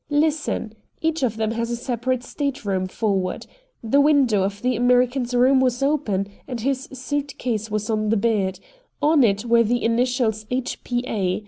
Listen! Each of them has a separate state room forward. The window of the American's room was open, and his suit case was on the bed. On it were the initials H. P. A.